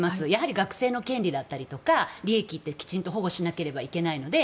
学生の権利だったりとか利益って、きちんと保護しないといけないので。